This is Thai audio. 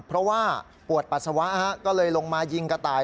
เพราะว่าปวดปัสสาวะก็เลยลงมายิงกระต่าย